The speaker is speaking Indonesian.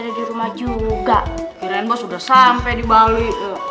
perché di rumah juga keren bos udah sampai di bali